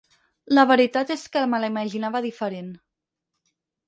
La veritat és que me la imaginava diferent.